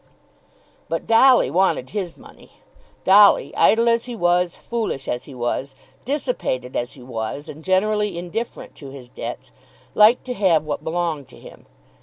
But Dolly wanted his money. Dolly, idle as he was, foolish as he was, dissipated as he was and generally indifferent to his debts, liked to have what belonged to him.